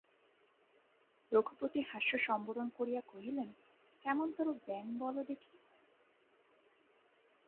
রঘুপতি হাস্য সম্বরণ করিয়া কহিলেন, কেমনতরো ব্যাঙ বলো দেখি।